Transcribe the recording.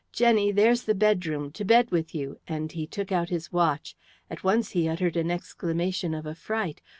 "Jenny, there's the bedroom; to bed with you!" and he took out his watch. At once he uttered an exclamation of affright.